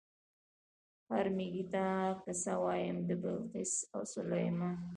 "هر مېږي ته قصه وایم د بلقیس او سلیمان".